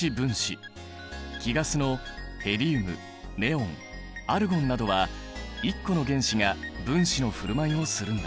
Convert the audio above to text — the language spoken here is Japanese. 貴ガスのヘリウムネオンアルゴンなどは１個の原子が分子のふるまいをするんだ。